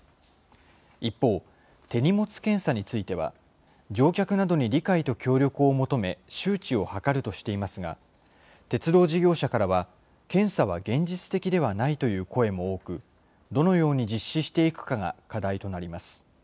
一方、手荷物検査については、乗客などに理解と協力を求め、周知を図るとしていますが、鉄道事業者からは、検査は現実的ではないという声も多く、どのように実施していくかが課題となります。